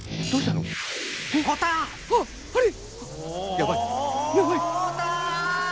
やばいやばい。